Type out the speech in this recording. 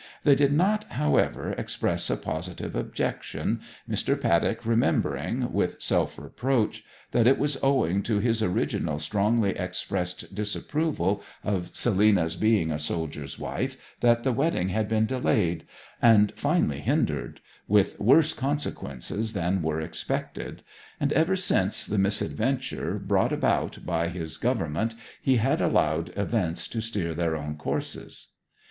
They did not, however, express a positive objection, Mr. Paddock remembering, with self reproach, that it was owing to his original strongly expressed disapproval of Selina's being a soldier's wife that the wedding had been delayed, and finally hindered with worse consequences than were expected; and ever since the misadventure brought about by his government he had allowed events to steer their own courses.